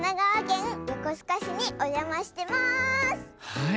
はい。